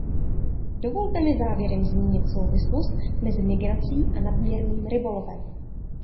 Dovolte mi závěrem zmínit souvislost mezi migrací a nadměrným rybolovem.